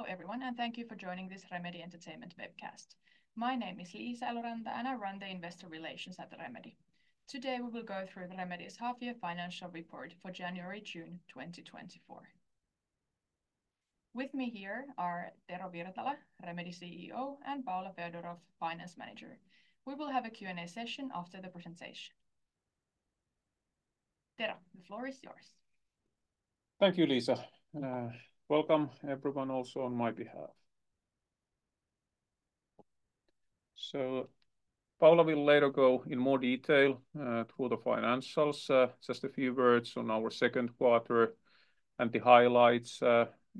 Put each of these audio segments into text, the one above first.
Hello everyone, and thank you for joining this Remedy Entertainment webcast. My name is Liisa Eloranta, and I run the investor relations at Remedy. Today, we will go through Remedy's half-year financial report for January-June 2024. With me here are Tero Virtala, Remedy CEO, and Paula Feodoroff, finance manager. We will have a Q&A session after the presentation. Tero, the floor is yours. Thank you, Liisa. Welcome everyone also on my behalf. So Paula will later go in more detail through the financials. Just a few words on our second quarter and the highlights.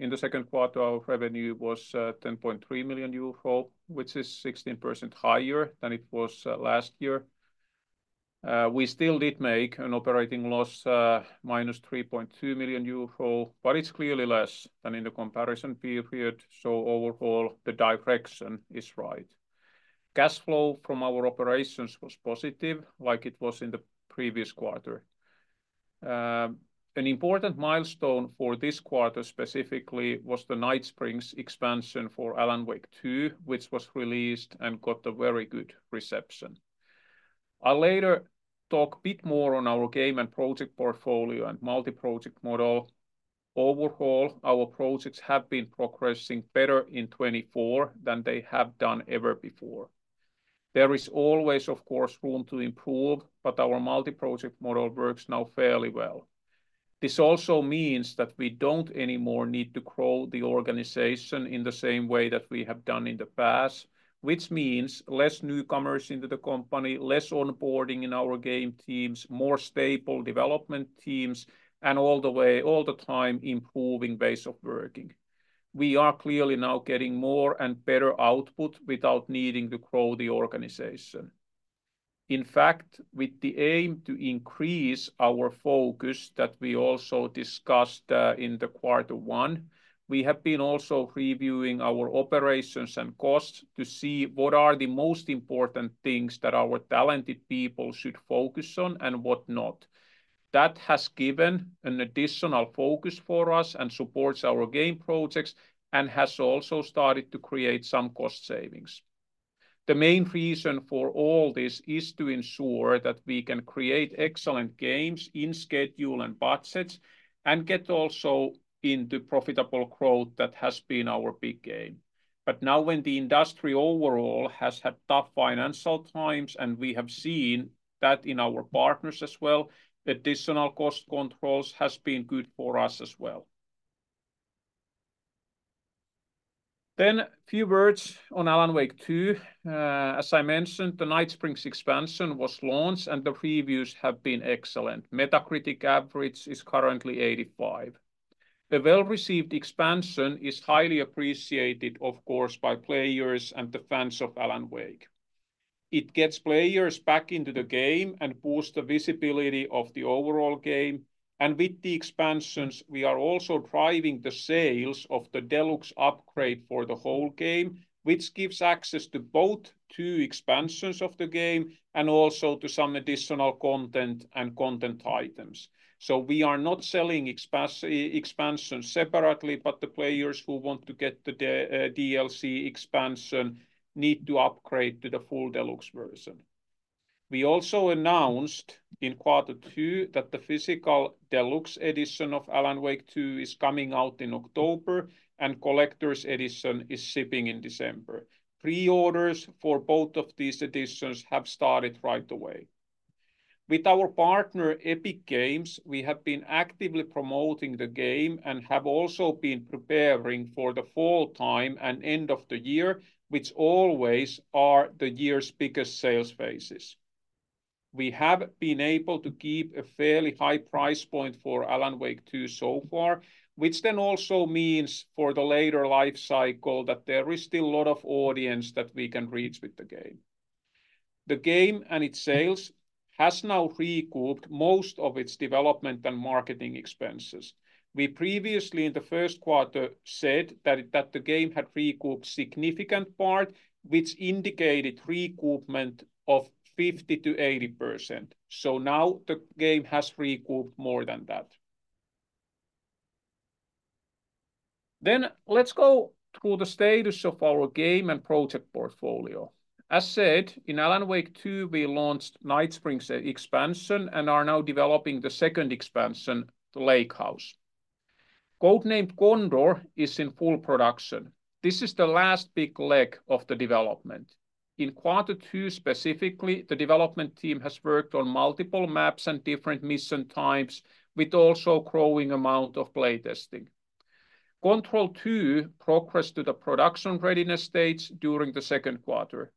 In the second quarter, our revenue was 10.3 million euro, which is 16% higher than it was last year. We still did make an operating loss, minus 3.2 million euro, but it's clearly less than in the comparison period, so overall, the direction is right. Cash flow from our operations was positive, like it was in the previous quarter. An important milestone for this quarter specifically was the Night Springs expansion for Alan Wake 2, which was released and got a very good reception. I'll later talk a bit more on our game and project portfolio and multi-project model. Overall, our projects have been progressing better in 2024 than they have done ever before. There is always, of course, room to improve, but our multi-project model works now fairly well. This also means that we don't anymore need to grow the organization in the same way that we have done in the past, which means less newcomers into the company, less onboarding in our game teams, more stable development teams, and all the way- all the time improving ways of working. We are clearly now getting more and better output without needing to grow the organization. In fact, with the aim to increase our focus, that we also discussed, in the quarter one, we have been also reviewing our operations and costs to see what are the most important things that our talented people should focus on and what not. That has given an additional focus for us and supports our game projects, and has also started to create some cost savings. The main reason for all this is to ensure that we can create excellent games in schedule and budgets, and get also into profitable growth that has been our big gain. But now, when the industry overall has had tough financial times, and we have seen that in our partners as well, additional cost controls has been good for us as well. Then few words on Alan Wake 2. As I mentioned, the Night Springs expansion was launched, and the reviews have been excellent. Metacritic average is currently 85. The well-received expansion is highly appreciated, of course, by players and the fans of Alan Wake. It gets players back into the game and boosts the visibility of the overall game, and with the expansions, we are also driving the sales of the Deluxe Upgrade for the whole game, which gives access to both 2 expansions of the game and also to some additional content and content items. So we are not selling expansions separately, but the players who want to get the DLC expansion need to upgrade to the full deluxe version. We also announced in Quarter Two that the Physical Deluxe Edition of Alan Wake 2 is coming out in October, and Collector's Edition is shipping in December. Pre-orders for both of these editions have started right away. With our partner, Epic Games, we have been actively promoting the game and have also been preparing for the fall time and end of the year, which always are the year's biggest sales phases. We have been able to keep a fairly high price point for Alan Wake 2 so far, which then also means for the later life cycle, that there is still a lot of audience that we can reach with the game. The game and its sales has now recouped most of its development and marketing expenses. We previously, in the first quarter, said that the game had recouped significant part, which indicated recoupment of 50%-80%. So now the game has recouped more than that. Let's go through the status of our game and project portfolio. As said, in Alan Wake 2, we launched Night Springs expansion and are now developing the second expansion, the Lake House. Codename Condor is in full production. This is the last big leg of the development. In Quarter Two specifically, the development team has worked on multiple maps and different mission types, with also growing amount of playtesting. Control 2 progressed to the production readiness stage during the second quarter.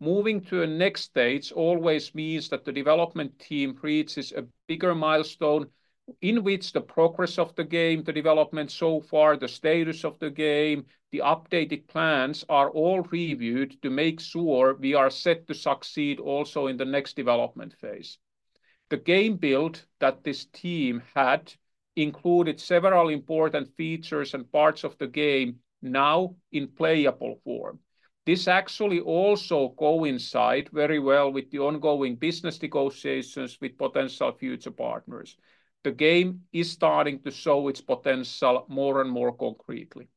Moving to a next stage always means that the development team reaches a bigger milestone, in which the progress of the game, the development so far, the status of the game, the updated plans, are all reviewed to make sure we are set to succeed also in the next development phase. The game build that this team had included several important features and parts of the game now in playable form. This actually also coincide very well with the ongoing business negotiations with potential future partners. The game is starting to show its potential more and more concretely...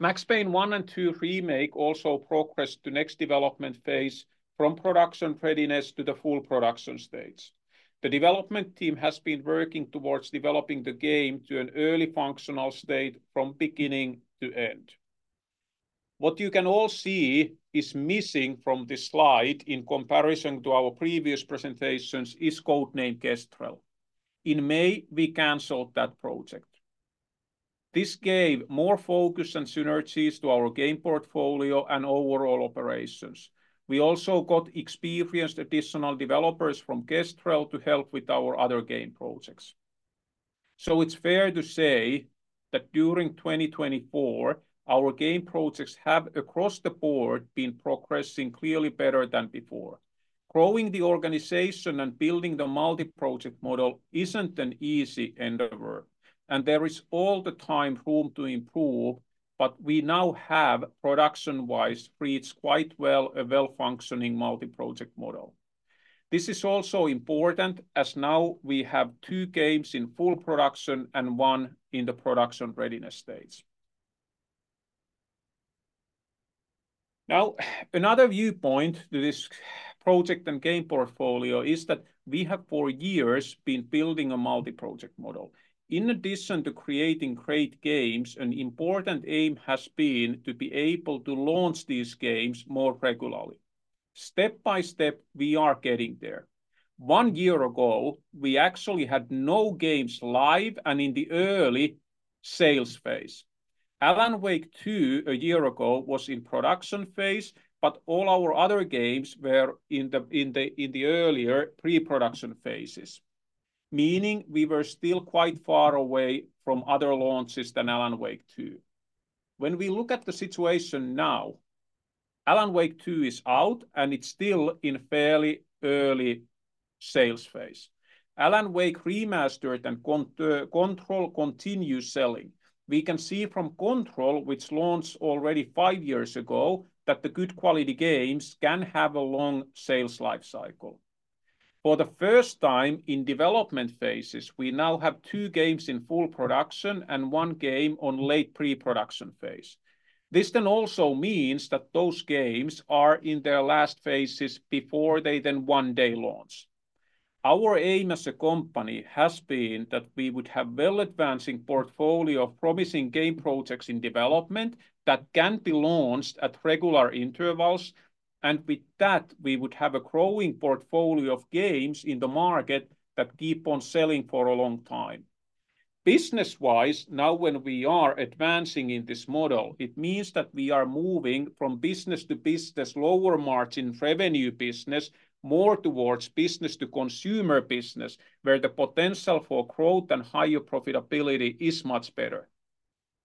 Max Payne 1 and 2 Remake also progressed to next development phase from production readiness to the full production stage. The development team has been working towards developing the game to an early functional state from beginning to end. What you can all see is missing from this slide in comparison to our previous presentations is Codename Kestrel. In May, we canceled that project. This gave more focus and synergies to our game portfolio and overall operations. We also got experienced additional developers from Kestrel to help with our other game projects. So it's fair to say that during 2024, our game projects have, across the board, been progressing clearly better than before. Growing the organization and building the multi-project model isn't an easy endeavor, and there is all the time room to improve, but we now have, production-wise, reached quite well a well-functioning multi-project model. This is also important, as now we have two games in full production and one in the production readiness stage. Now, another viewpoint to this project and game portfolio is that we have for years been building a multi-project model. In addition to creating great games, an important aim has been to be able to launch these games more regularly. Step by step, we are getting there. One year ago, we actually had no games live and in the early sales phase. Alan Wake 2, a year ago, was in production phase, but all our other games were in the earlier pre-production phases, meaning we were still quite far away from other launches than Alan Wake 2. When we look at the situation now, Alan Wake 2 is out, and it's still in fairly early sales phase. Alan Wake Remastered and Control continue selling. We can see from Control, which launched already five years ago, that the good quality games can have a long sales life cycle. For the first time in development phases, we now have two games in full production and one game on late pre-production phase. This then also means that those games are in their last phases before they then one day launch. Our aim as a company has been that we would have well-advancing portfolio of promising game projects in development that can be launched at regular intervals, and with that, we would have a growing portfolio of games in the market that keep on selling for a long time. Business-wise, now when we are advancing in this model, it means that we are moving from business-to-business, lower margin revenue business, more towards business-to-consumer business, where the potential for growth and higher profitability is much better.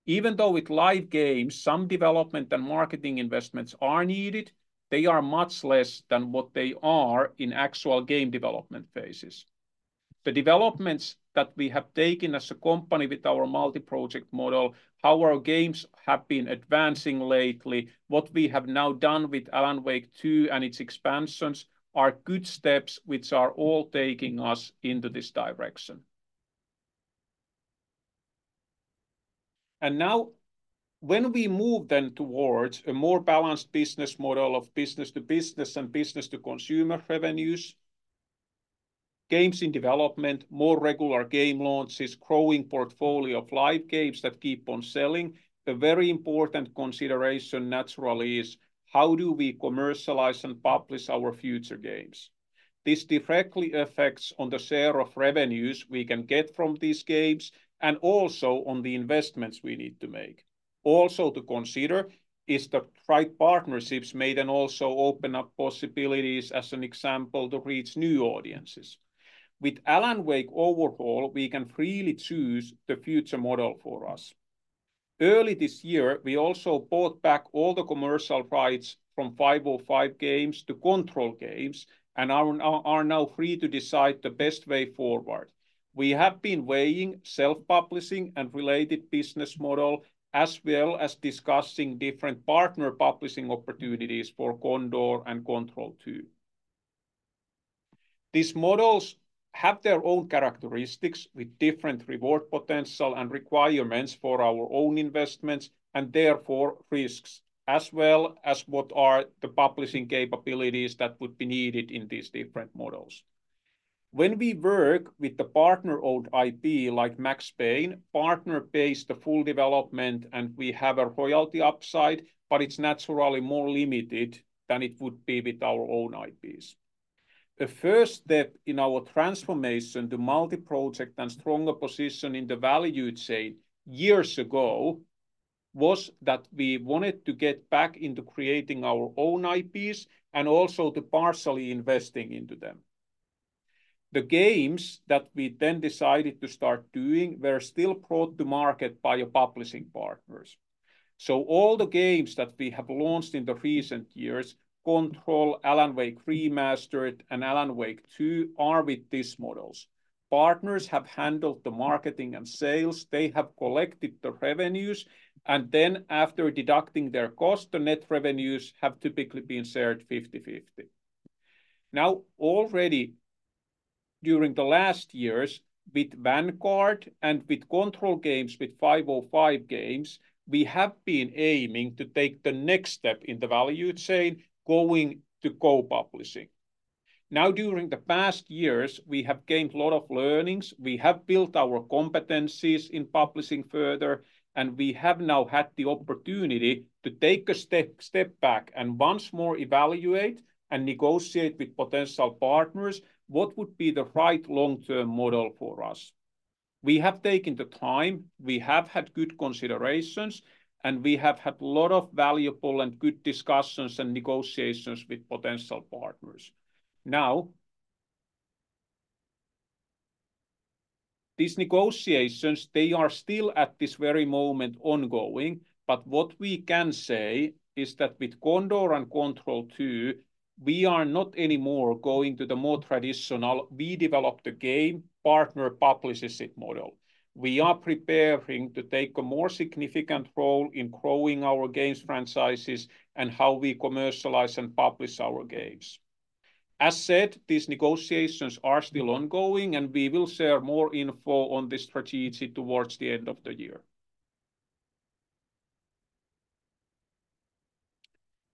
Even though with live games, some development and marketing investments are needed, they are much less than what they are in actual game development phases. The developments that we have taken as a company with our multi-project model, how our games have been advancing lately, what we have now done with Alan Wake 2 and its expansions, are good steps which are all taking us into this direction. And now, when we move then towards a more balanced business model of business-to-business and business-to-consumer revenues, games in development, more regular game launches, growing portfolio of live games that keep on selling, the very important consideration naturally is: how do we commercialize and publish our future games? This directly affects on the share of revenues we can get from these games and also on the investments we need to make. Also to consider is the right partnerships made and also open up possibilities, as an example, to reach new audiences. With Alan Wake 2, we can freely choose the future model for us. Early this year, we also bought back all the commercial rights from 505 Games to Control, and are now free to decide the best way forward. We have been weighing self-publishing and related business model, as well as discussing different partner publishing opportunities for Condor and Control 2. These models have their own characteristics with different reward potential and requirements for our own investments, and therefore risks, as well as what are the publishing capabilities that would be needed in these different models. When we work with the partner-owned IP, like Max Payne, partner pays the full development, and we have a royalty upside, but it's naturally more limited than it would be with our own IPs. The first step in our transformation to multi-project and stronger position in the value chain years ago was that we wanted to get back into creating our own IPs and also to partially investing into them. The games that we then decided to start doing were still brought to market by publishing partners. So all the games that we have launched in the recent years, Control, Alan Wake Remastered, and Alan Wake 2, are with these models. Partners have handled the marketing and sales, they have collected the revenues, and then after deducting their cost, the net revenues have typically been shared 50/50. Now, already during the last years with Vanguard and with Control games, with 505 Games, we have been aiming to take the next step in the value chain, going to co-publishing. Now, during the past years, we have gained a lot of learnings. We have built our competencies in publishing further, and we have now had the opportunity to take a step, step back and once more evaluate and negotiate with potential partners what would be the right long-term model for us. We have taken the time, we have had good considerations, and we have had a lot of valuable and good discussions and negotiations with potential partners. Now, these negotiations, they are still at this very moment ongoing, but what we can say is that with Condor and Control 2, we are not anymore going to the more traditional we-develop-the-game, partner-publishes-it model. We are preparing to take a more significant role in growing our games franchises and how we commercialize and publish our games. As said, these negotiations are still ongoing, and we will share more info on this strategy towards the end of the year.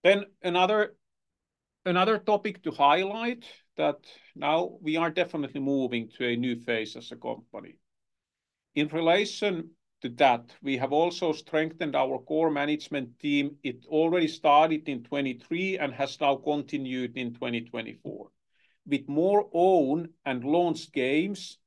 Then another topic to highlight that now we are definitely moving to a new phase as a company. In relation to that, we have also strengthened our core management team. It already started in 2023 and has now continued in 2024. With more own and launched games,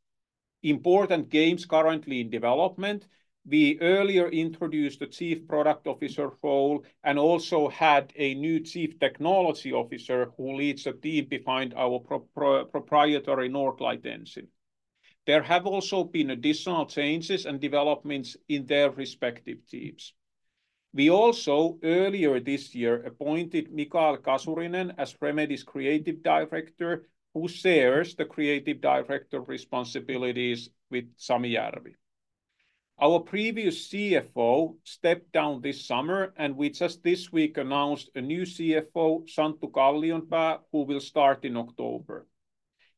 important games currently in development, we earlier introduced a Chief Product Officer role and also had a new Chief Technology Officer who leads the team behind our proprietary Northlight Engine. There have also been additional changes and developments in their respective teams. We also, earlier this year, appointed Mikael Kasurinen as Remedy's Creative Director, who shares the Creative Director responsibilities with Sami Järvi. Our previous CFO stepped down this summer, and we just this week announced a new CFO, Santtu Kallionpää, who will start in October.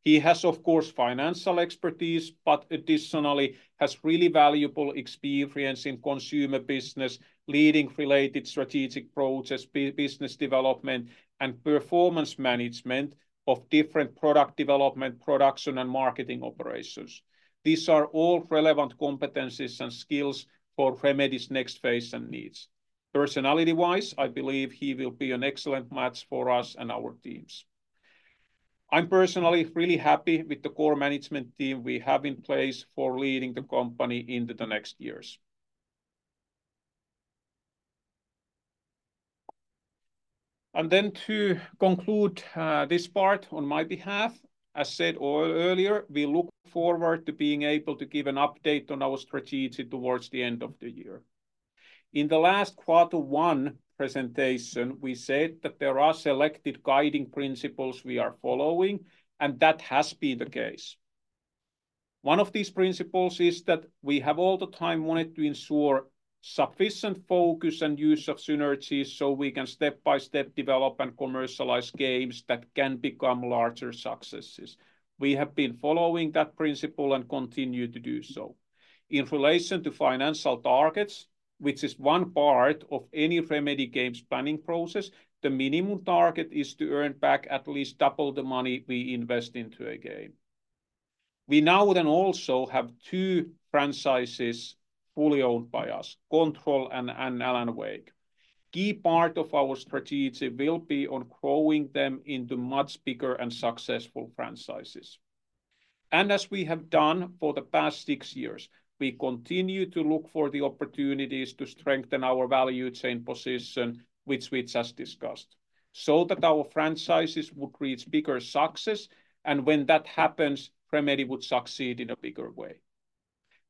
He has, of course, financial expertise, but additionally has really valuable experience in consumer business, leading related strategic projects, business development, and performance management of different product development, production, and marketing operations. These are all relevant competencies and skills for Remedy's next phase and needs. Personality-wise, I believe he will be an excellent match for us and our teams. I'm personally really happy with the core management team we have in place for leading the company into the next years. Then to conclude, this part on my behalf, as said earlier, we look forward to being able to give an update on our strategy towards the end of the year. In the last quarter one presentation, we said that there are selected guiding principles we are following, and that has been the case. One of these principles is that we have all the time wanted to ensure sufficient focus and use of synergies so we can step by step develop and commercialize games that can become larger successes. We have been following that principle and continue to do so. In relation to financial targets, which is one part of any Remedy game's planning process, the minimum target is to earn back at least double the money we invest into a game. We now then also have two franchises fully owned by us, Control and Alan Wake. Key part of our strategy will be on growing them into much bigger and successful franchises. As we have done for the past six years, we continue to look for the opportunities to strengthen our value chain position, which we just discussed, so that our franchises would reach bigger success, and when that happens, Remedy would succeed in a bigger way.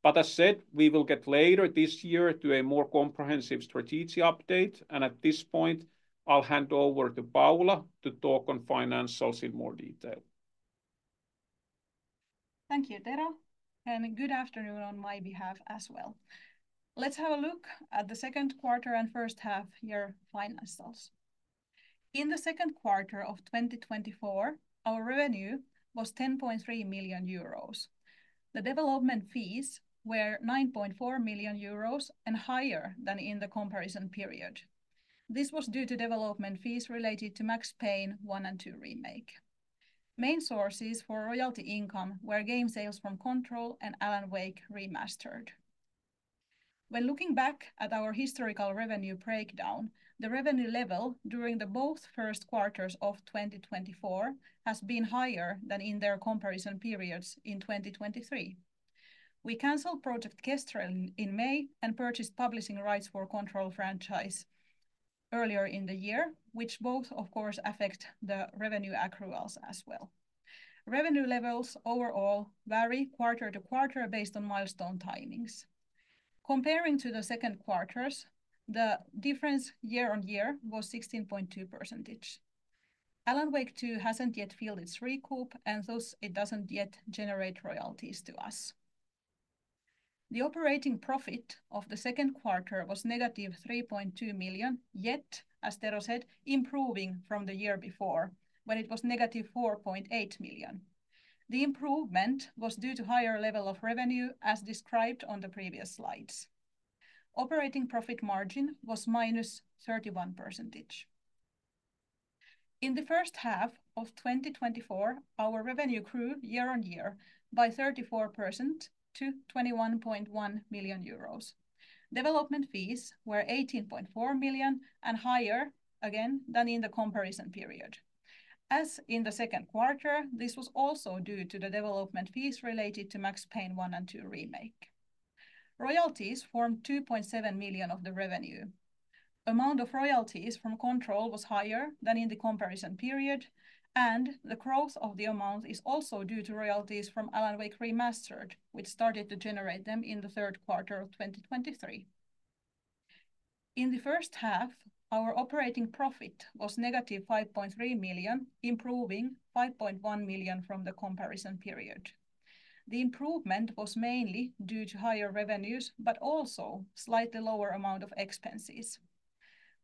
But as said, we will get later this year to a more comprehensive strategy update, and at this point, I'll hand over to Paula to talk on financials in more detail. Thank you, Tero, and good afternoon on my behalf as well. Let's have a look at the second quarter and first half year financials. In the second quarter of 2024, our revenue was 10.3 million euros. The development fees were 9.4 million euros and higher than in the comparison period. This was due to development fees related to Max Payne 1 and 2 Remake. Main sources for royalty income were game sales from Control and Alan Wake Remastered. When looking back at our historical revenue breakdown, the revenue level during the both first quarters of 2024 has been higher than in their comparison periods in 2023. We canceled Project Kestrel in May and purchased publishing rights for Control franchise earlier in the year, which both, of course, affect the revenue accruals as well. Revenue levels overall vary quarter to quarter based on milestone timings. Comparing to the second quarters, the difference year-over-year was 16.2%. Alan Wake 2 hasn't yet filled its recoup, and thus it doesn't yet generate royalties to us. The operating profit of the second quarter was negative 3.2 million, yet, as Tero said, improving from the year before, when it was negative 4.8 million. The improvement was due to higher level of revenue, as described on the previous slides. Operating profit margin was -31%. In the first half of 2024, our revenue grew year-over-year by 34% to 21.1 million euros. Development fees were 18.4 million and higher again than in the comparison period. As in the second quarter, this was also due to the development fees related to Max Payne 1 and 2 Remake. Royalties formed 2.7 million of the revenue. Amount of royalties from Control was higher than in the comparison period, and the growth of the amount is also due to royalties from Alan Wake Remastered, which started to generate them in the third quarter of 2023. In the first half, our operating profit was -5.3 million, improving 5.1 million from the comparison period. The improvement was mainly due to higher revenues, but also slightly lower amount of expenses.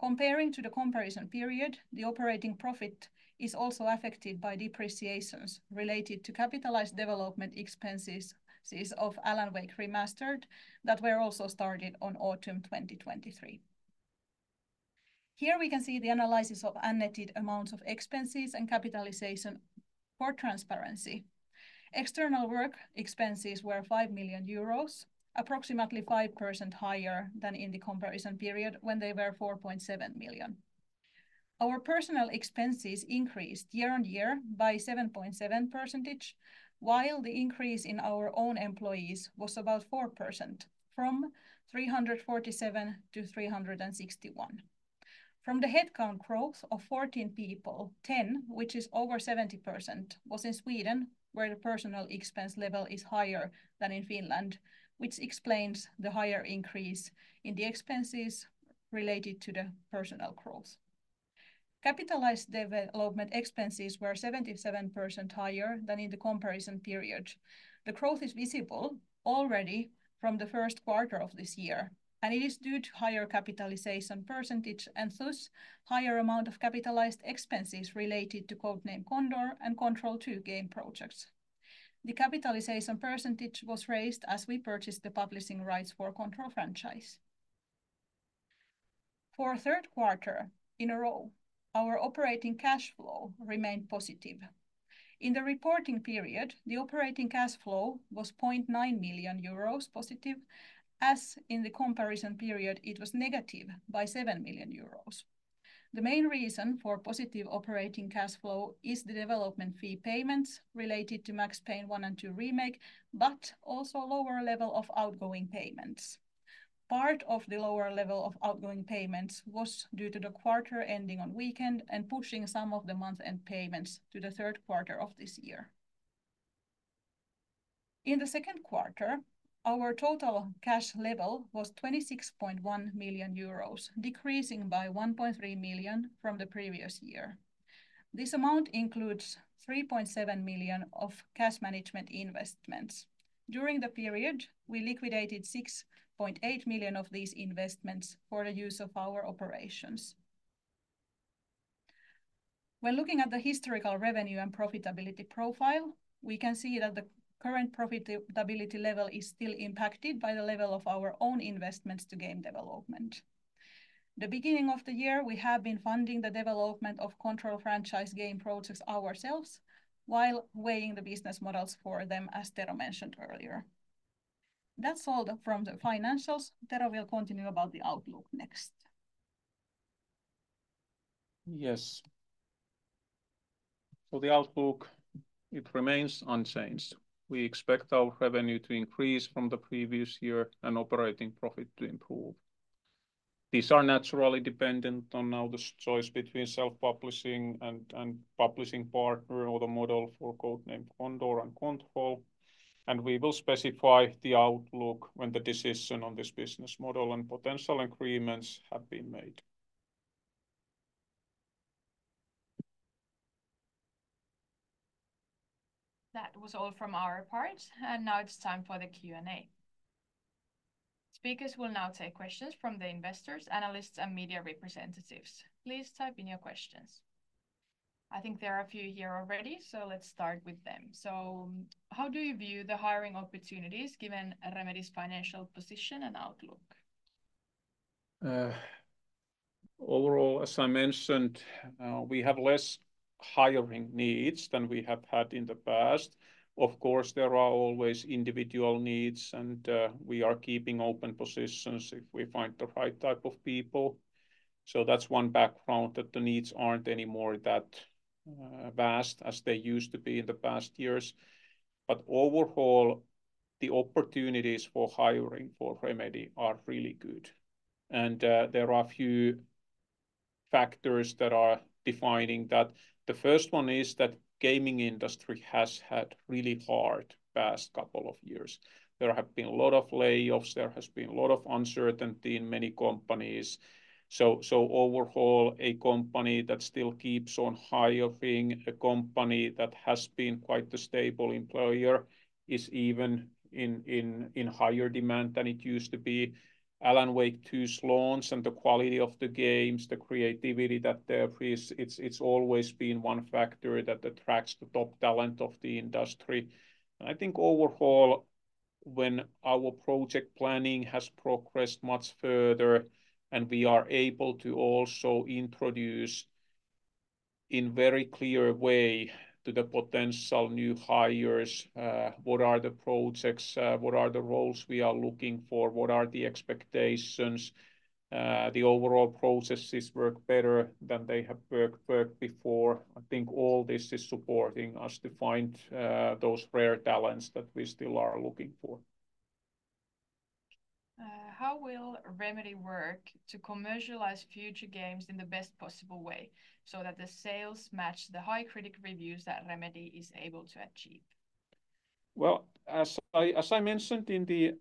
Comparing to the comparison period, the operating profit is also affected by depreciations related to capitalized development expenses of Alan Wake Remastered that were also started on autumn 2023. Here we can see the analysis of unnetted amounts of expenses and capitalization for transparency. External work expenses were 5 million euros, approximately 5% higher than in the comparison period, when they were 4.7 million. Our personal expenses increased year-on-year by 7.7%, while the increase in our own employees was about 4%, from 347 to 361. From the headcount growth of 14 people, 10, which is over 70%, was in Sweden, where the personal expense level is higher than in Finland, which explains the higher increase in the expenses related to the personal growth. Capitalized development expenses were 77% higher than in the comparison period. The growth is visible already from the first quarter of this year, and it is due to higher capitalization percentage and thus, higher amount of capitalized expenses related to Codename Condor and Control 2 game projects. The capitalization percentage was raised as we purchased the publishing rights for Control franchise. For a third quarter in a row, our operating cash flow remained positive. In the reporting period, the operating cash flow was 0.9 million euros positive, as in the comparison period, it was negative by 7 million euros. The main reason for positive operating cash flow is the development fee payments related to Max Payne 1 and 2 Remake, but also lower level of outgoing payments. Part of the lower level of outgoing payments was due to the quarter ending on weekend and pushing some of the month-end payments to the third quarter of this year. In the second quarter, our total cash level was 26.1 million euros, decreasing by 1.3 million from the previous year. This amount includes 3.7 million of cash management investments. During the period, we liquidated 6.8 million of these investments for the use of our operations. When looking at the historical revenue and profitability profile, we can see that the current profitability level is still impacted by the level of our own investments to game development. The beginning of the year, we have been funding the development of Control franchise game projects ourselves, while weighing the business models for them, as Tero mentioned earlier. That's all from the financials. Tero will continue about the outlook next. Yes. So the outlook, it remains unchanged. We expect our revenue to increase from the previous year and operating profit to improve. These are naturally dependent on now the choice between self-publishing and publishing partner or the model for Codename Condor and Control, and we will specify the outlook when the decision on this business model and potential agreements have been made. That was all from our part, and now it's time for the Q&A. Speakers will now take questions from the investors, analysts, and media representatives. Please type in your questions. I think there are a few here already, so let's start with them. So how do you view the hiring opportunities, given Remedy's financial position and outlook? Overall, as I mentioned, we have less hiring needs than we have had in the past. Of course, there are always individual needs, and we are keeping open positions if we find the right type of people. So that's one background, that the needs aren't anymore that vast as they used to be in the past years. But overall, the opportunities for hiring for Remedy are really good, and there are a few factors that are defining that. The first one is that gaming industry has had really hard past couple of years. There have been a lot of layoffs, there has been a lot of uncertainty in many companies. So overall, a company that still keeps on hiring, a company that has been quite the stable employer, is even in higher demand than it used to be. Alan Wake 2's launch and the quality of the games, the creativity that there is, it's always been one factor that attracts the top talent of the industry. I think overall when our project planning has progressed much further, and we are able to also introduce in very clear way to the potential new hires what are the projects, what are the roles we are looking for, what are the expectations? The overall processes work better than they have worked before. I think all this is supporting us to find those rare talents that we still are looking for. How will Remedy work to commercialize future games in the best possible way, so that the sales match the high critic reviews that Remedy is able to achieve? Well, as I, as I mentioned in the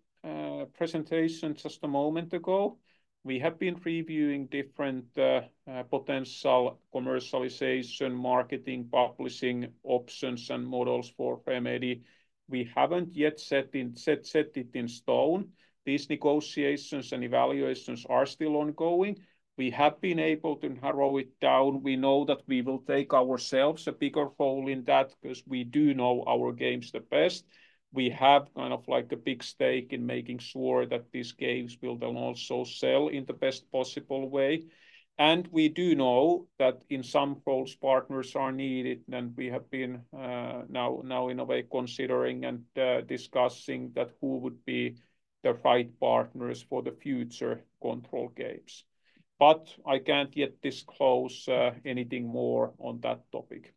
presentation just a moment ago, we have been reviewing different potential commercialization, marketing, publishing options, and models for Remedy. We haven't yet set it in stone. These negotiations and evaluations are still ongoing. We have been able to narrow it down. We know that we will take ourselves a bigger role in that, because we do know our games the best. We have kind of like a big stake in making sure that these games will then also sell in the best possible way. And we do know that in some roles, partners are needed, and we have been now, in a way, considering and discussing that who would be the right partners for the future Control games. But I can't yet disclose anything more on that topic.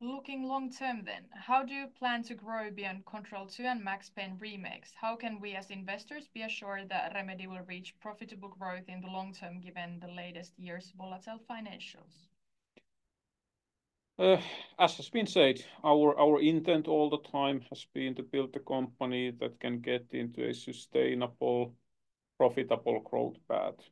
Looking long-term then, how do you plan to grow beyond Control 2 and Max Payne remakes? How can we, as investors, be assured that Remedy will reach profitable growth in the long term, given the latest years' volatile financials? As has been said, our intent all the time has been to build a company that can get into a sustainable, profitable growth path.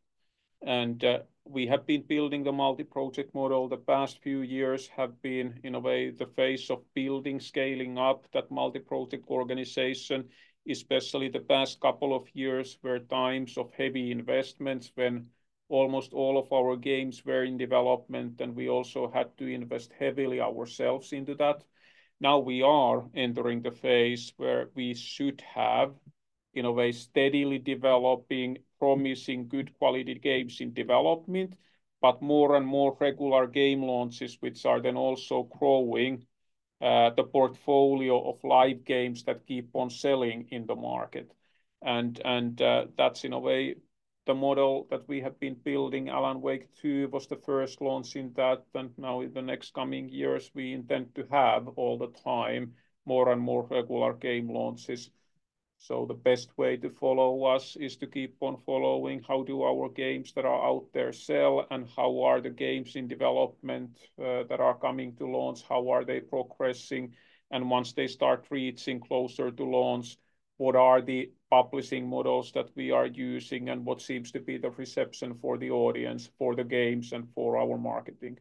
We have been building a multi-project model. The past few years have been, in a way, the phase of building, scaling up that multi-project organization. Especially the past couple of years were times of heavy investments, when almost all of our games were in development, and we also had to invest heavily ourselves into that. Now, we are entering the phase where we should have, in a way, steadily developing, promising good quality games in development, but more and more regular game launches, which are then also growing the portfolio of live games that keep on selling in the market. That's in a way the model that we have been building. Alan Wake 2 was the first launch in that, and now in the next coming years, we intend to have all the time more and more regular game launches. So the best way to follow us is to keep on following how do our games that are out there sell, and how are the games in development, that are coming to launch, how are they progressing? And once they start reaching closer to launch, what are the publishing models that we are using, and what seems to be the reception for the audience, for the games, and for our marketing?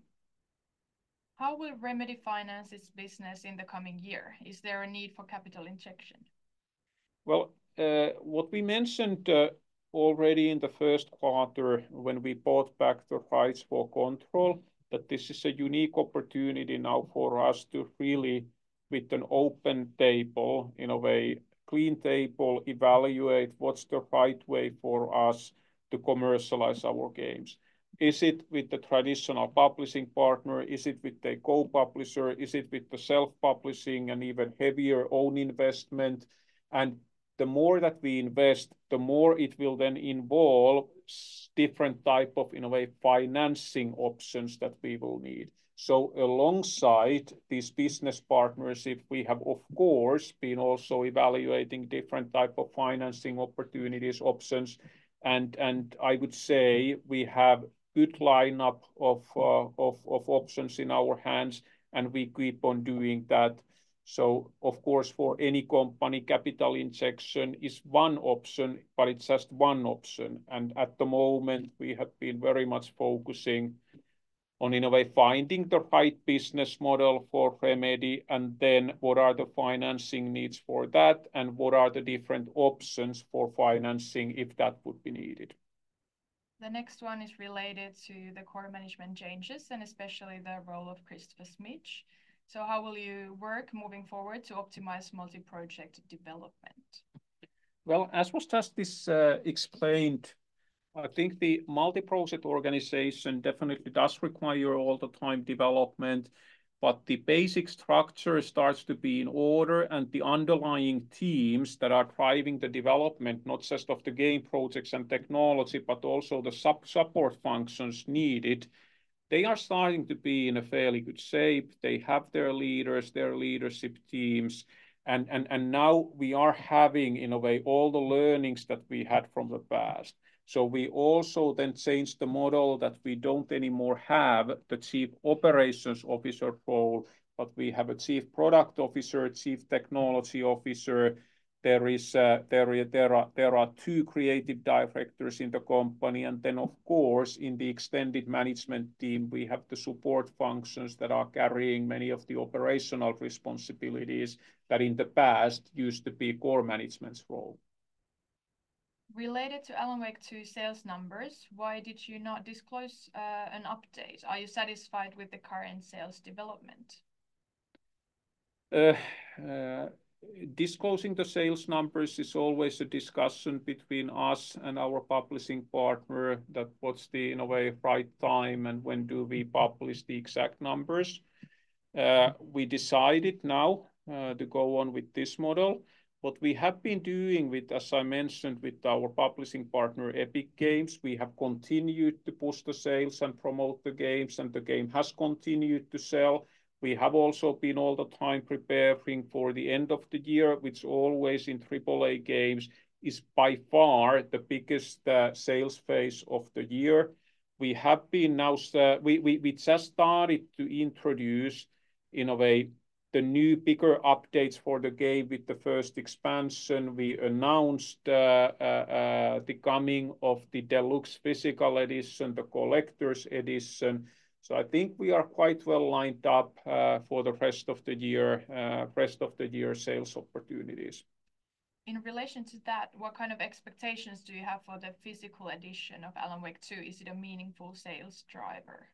How will Remedy finance its business in the coming year? Is there a need for capital injection? Well, what we mentioned already in the first quarter, when we bought back the rights for Control, that this is a unique opportunity now for us to really, with an open table, in a way, clean table, evaluate what's the right way for us to commercialize our games. Is it with the traditional publishing partner? Is it with the co-publisher? Is it with the self-publishing and even heavier own investment? And the more that we invest, the more it will then involve different type of, in a way, financing options that we will need. So alongside these business partners, if we have of course, been also evaluating different type of financing opportunities, options, and I would say we have good lineup of options in our hands, and we keep on doing that. So of course, for any company, capital injection is one option, but it's just one option. And at the moment, we have been very much focusing on, in a way, finding the right business model for Remedy, and then what are the financing needs for that, and what are the different options for financing, if that would be needed. The next one is related to the core management changes, and especially the role of Christopher Schmitz. So how will you work moving forward to optimize multi-project development? Well, as was just this explained, I think the multi-project organization definitely does require all the time development, but the basic structure starts to be in order, and the underlying teams that are driving the development, not just of the game projects and technology, but also the support functions needed, they are starting to be in a fairly good shape. They have their leaders, their leadership teams, and now we are having, in a way, all the learnings that we had from the past. So we also then changed the model that we don't anymore have the Chief Operations Officer role, but we have a Chief Product Officer, Chief Technology Officer. There are two creative directors in the company, and then, of course, in the extended management team, we have the support functions that are carrying many of the operational responsibilities that in the past used to be core management's role. ... Related to Alan Wake 2 sales numbers, why did you not disclose an update? Are you satisfied with the current sales development? Disclosing the sales numbers is always a discussion between us and our publishing partner that what's the, in a way, right time, and when do we publish the exact numbers. We decided now to go on with this model. What we have been doing with, as I mentioned, with our publishing partner, Epic Games, we have continued to boost the sales and promote the games, and the game has continued to sell. We have also been all the time preparing for the end of the year, which always in AAA games, is by far the biggest sales phase of the year. We have been now... We just started to introduce, in a way, the new bigger updates for the game. With the first expansion, we announced the coming of the deluxe physical edition, the Collector's Edition. I think we are quite well lined up for the rest of the year, rest of the year sales opportunities. In relation to that, what kind of expectations do you have for the physical edition of Alan Wake 2? Is it a meaningful sales driver?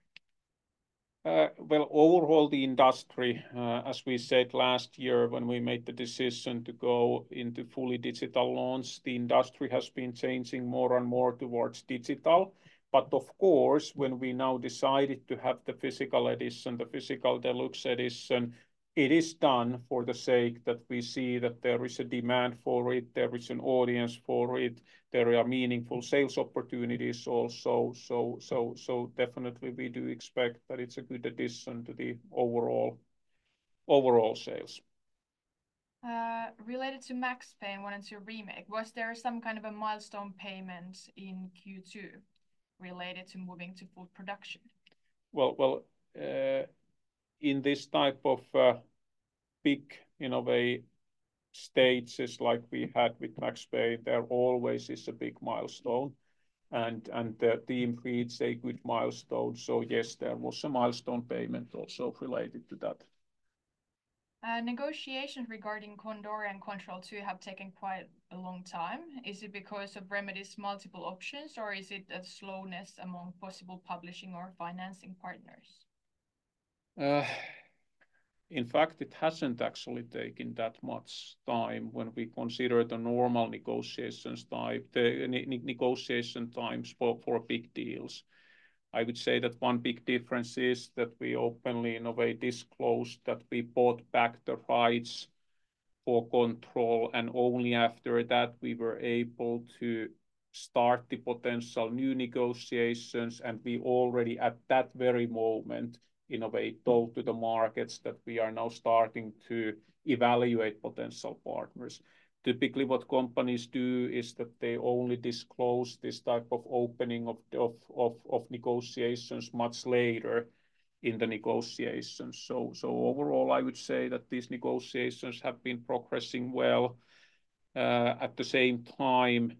Well, overall, the industry, as we said last year when we made the decision to go into fully digital launch, the industry has been changing more and more towards digital. But of course, when we now decided to have the physical edition, the Physical Deluxe Edition, it is done for the sake that we see that there is a demand for it, there is an audience for it, there are meaningful sales opportunities also. So, so, so definitely we do expect that it's a good addition to the overall, overall sales. Related to Max Payne 1 and 2 Remake, was there some kind of a milestone payment in Q2 related to moving to full production? Well, well, in this type of, big, in a way, stages like we had with Max Payne, there always is a big milestone, and, and the team reached a good milestone. So yes, there was a milestone payment also related to that. Negotiations regarding Condor and Control 2 have taken quite a long time. Is it because of Remedy's multiple options, or is it a slowness among possible publishing or financing partners? In fact, it hasn't actually taken that much time when we consider the normal negotiations time, the negotiation times for big deals. I would say that one big difference is that we openly, in a way, disclosed that we bought back the rights for Control, and only after that, we were able to start the potential new negotiations, and we already, at that very moment, in a way, told to the markets that we are now starting to evaluate potential partners. Typically, what companies do is that they only disclose this type of opening of the negotiations much later in the negotiations. So overall, I would say that these negotiations have been progressing well. At the same time,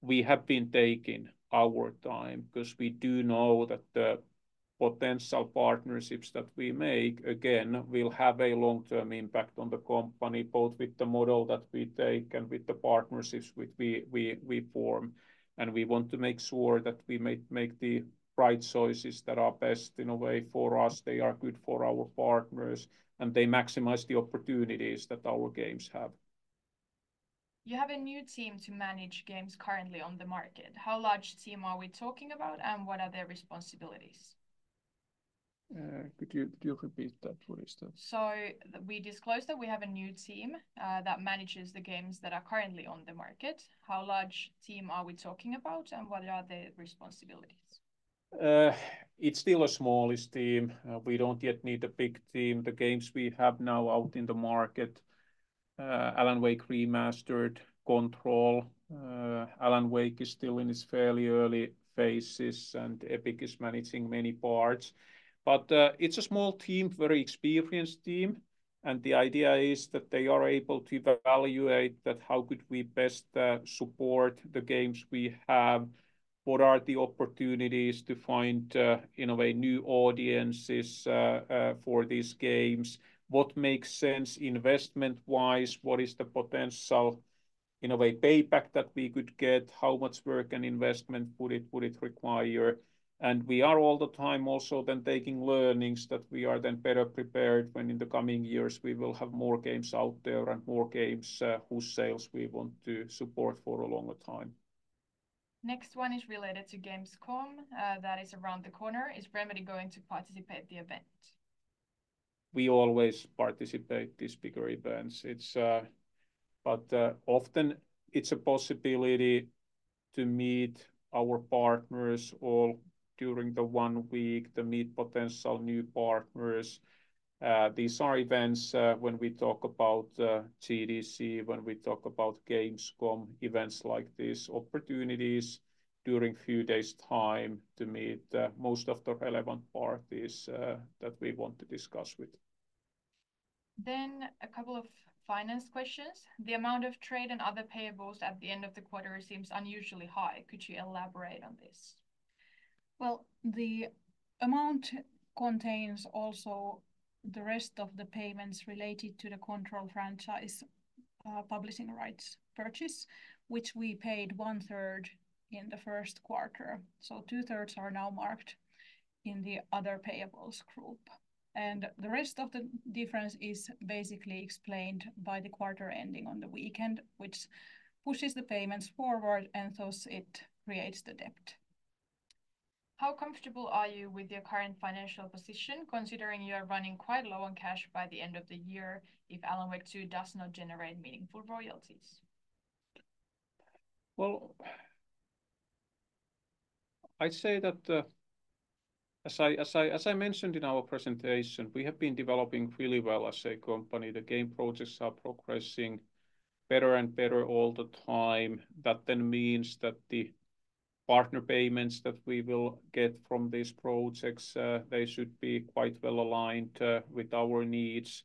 we have been taking our time 'cause we do know that the potential partnerships that we make, again, will have a long-term impact on the company, both with the model that we take and with the partnerships which we form, and we want to make sure that we make the right choices that are best, in a way, for us. They are good for our partners, and they maximize the opportunities that our games have. You have a new team to manage games currently on the market. How large team are we talking about, and what are their responsibilities? Could you, could you repeat that for us, please? So we disclosed that we have a new team that manages the games that are currently on the market. How large team are we talking about, and what are their responsibilities? It's still a smallest team. We don't yet need a big team. The games we have now out in the market, Alan Wake Remastered, Control, Alan Wake is still in its fairly early phases, and Epic is managing many parts. But, it's a small team, very experienced team, and the idea is that they are able to evaluate that how could we best, support the games we have? What are the opportunities to find, in a way, new audiences, for these games? What makes sense investment-wise? What is the potential, in a way, payback that we could get? How much work and investment would it, would it require? We are all the time also then taking learnings that we are then better prepared when in the coming years, we will have more games out there and more games whose sales we want to support for a longer time. Next one is related to Gamescom, that is around the corner. Is Remedy going to participate the event? We always participate these bigger events. It's. But often it's a possibility to meet our partners all during the one week, to meet potential new partners. These are events, when we talk about GDC, when we talk about Gamescom, events like these, opportunities during few days' time to meet most of the relevant parties that we want to discuss with. Then a couple of finance questions. The amount of trade and other payables at the end of the quarter seems unusually high. Could you elaborate on this? Well, the amount contains also the rest of the payments related to the Control franchise, publishing rights purchase, which we paid one third in the first quarter. So two thirds are now marked in the other payables group. And the rest of the difference is basically explained by the quarter ending on the weekend, which pushes the payments forward, and thus it creates the debt. How comfortable are you with your current financial position, considering you are running quite low on cash by the end of the year if Alan Wake 2 does not generate meaningful royalties? Well, I'd say that as I mentioned in our presentation, we have been developing really well as a company. The game projects are progressing better and better all the time. That then means that the partner payments that we will get from these projects, they should be quite well aligned with our needs.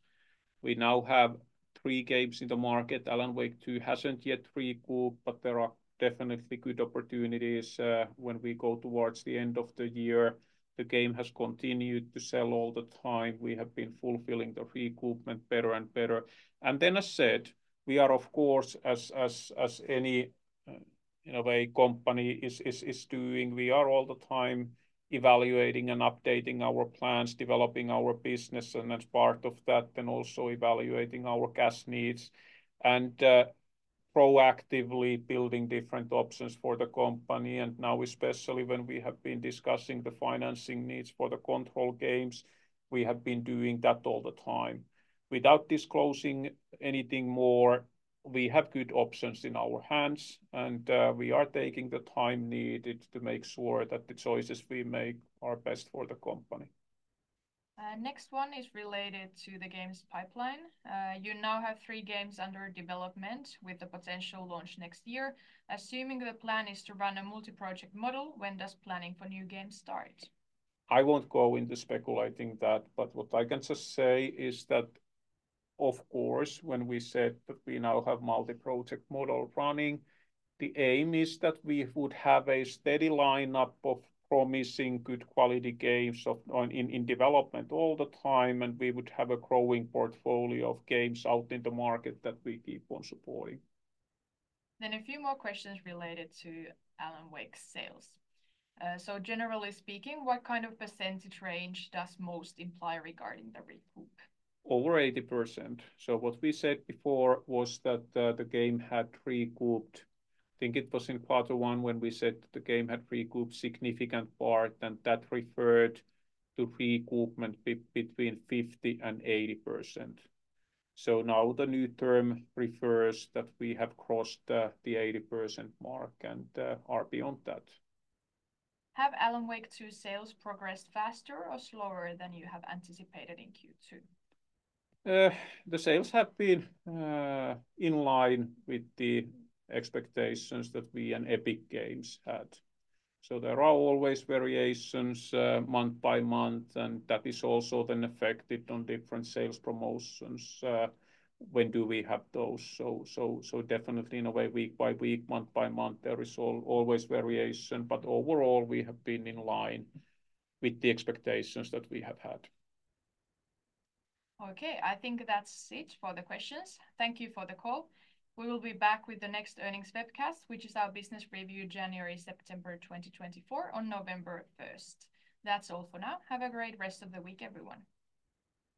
We now have three games in the market. Alan Wake 2 hasn't yet recouped, but there are definitely good opportunities when we go towards the end of the year. The game has continued to sell all the time. We have been fulfilling the recoupment better and better. And then as said, we are of course, as any, in a way, company is doing, we are all the time evaluating and updating our plans, developing our business, and as part of that, then also evaluating our cash needs and, proactively building different options for the company. And now, especially when we have been discussing the financing needs for the Control games, we have been doing that all the time. Without disclosing anything more, we have good options in our hands, and, we are taking the time needed to make sure that the choices we make are best for the company. Next one is related to the games pipeline. You now have three games under development with the potential launch next year. Assuming the plan is to run a multi-project model, when does planning for new games start? I won't go into speculating that, but what I can just say is that, of course, when we said that we now have multi-project model running, the aim is that we would have a steady lineup of promising, good quality games in development all the time, and we would have a growing portfolio of games out in the market that we keep on supporting. Then a few more questions related to Alan Wake's sales. So generally speaking, what kind of percentage range does most imply regarding the recoup? Over 80%. So what we said before was that, the game had recouped... I think it was in quarter one when we said the game had recouped significant part, and that referred to recoupment between 50%-80%. So now the new term refers that we have crossed, the 80% mark and, are beyond that. Have Alan Wake 2 sales progressed faster or slower than you have anticipated in Q2? The sales have been in line with the expectations that we and Epic Games had. So there are always variations month by month, and that is also then affected on different sales promotions. When do we have those? So definitely in a way, week by week, month by month, there is always variation, but overall, we have been in line with the expectations that we have had. Okay, I think that's it for the questions. Thank you for the call. We will be back with the next earnings webcast, which is our business review, January, September 2024, on November 1st. That's all for now. Have a great rest of the week, everyone.